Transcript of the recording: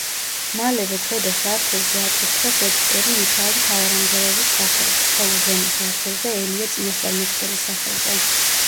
მალევე ქვედა სართულზე აკურთხეს ეგვტერი მიქაელ მთავარანგელოზის სახელზე, ხოლო ზემო სართულზე ელია წინასწარმეტყველის სახელზე.